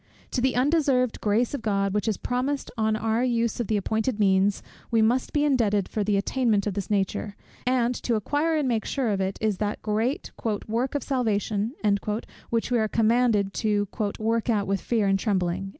To the undeserved grace of God, which is promised on our use of the appointed means, we must be indebted for the attainment of this nature; and, to acquire and make sure of it, is that great "work of our salvation," which we are commanded to "work out with fear and trembling."